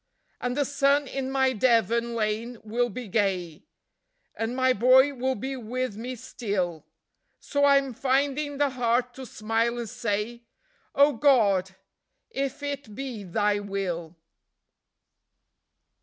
And the sun in my Devon lane will be gay, and my boy will be with me still, So I'm finding the heart to smile and say: "Oh God, if it be Thy Will!"